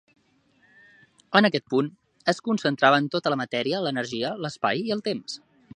En aquest punt es concentraven tota la matèria, l'energia, l'espai i el temps.